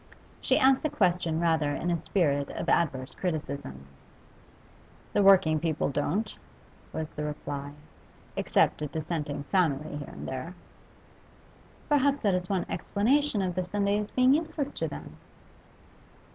She asked the question rather in a spirit of adverse criticism. 'The working people don't,' was the reply, 'except a Dissenting family here and there.' 'Perhaps that is one explanation of the Sundays being useless to them.